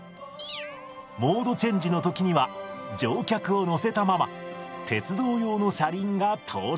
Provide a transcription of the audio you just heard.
モードチェンジの時には乗客を乗せたまま鉄道用の車輪が登場！